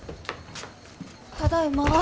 ただいま。